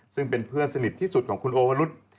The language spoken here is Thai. ซึ่งเป็นเพื่อนสนิทที่สุดของคุณโอวรุษ